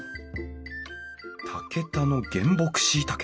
竹田の原木しいたけ。